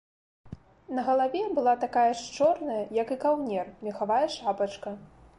На галаве была такая ж чорная, як і каўнер, мехавая шапачка.